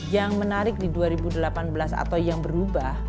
yang menarik di dua ribu delapan belas atau yang berubah